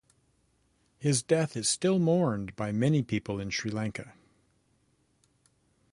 His death is still mourned by many people in Sri Lanka.